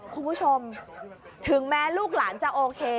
คุณผู้ชมถึงแม้ลูกหลานจะโอเค